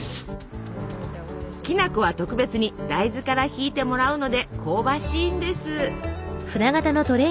きな粉は特別に大豆からひいてもらうので香ばしいんです。